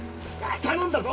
頼んだぞ！